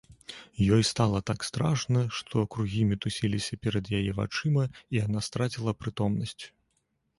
Ёй стала так страшна, што кругі мітусіліся перад яе вачыма, і яна страціла прытомнасць.